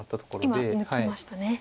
今抜きましたね。